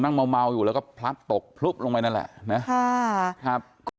ผมนั่งเมาเมาอยู่แล้วก็พลับตกพรุ่บลงไปนั่นแหละนะฮะฮะ